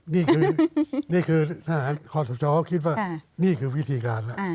นี่คือน่าข้อสรุปก็คิดนี่คือวิถีการ